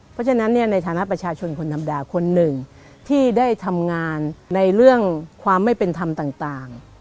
เพราะฉะนั้นเนี่ยในฐานะประชาชนคนธรรมดาคนหนึ่งที่ได้ทำงานในเรื่องความไม่เป็นธรรมต่าง